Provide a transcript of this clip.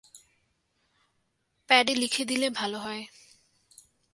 প্যাডে লিখে দিলে ভালো হয়।